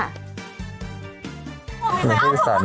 เอาผมต้องเสียแท็กซี่น้ำส่งสิ